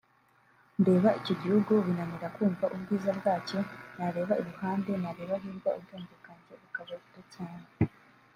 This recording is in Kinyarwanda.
ndeba icyo gihugu binanira kumva ubwiza bwacyo nareba iruhande nareba hirya ubwenge bwanjye bukaba buto cyane